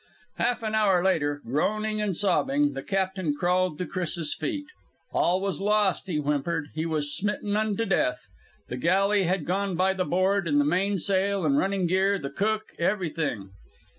Half an hour later, groaning and sobbing, the captain crawled to Chris's feet. All was lost, he whimpered. He was smitten unto death. The galley had gone by the board, the mainsail and running gear, the cook, everything!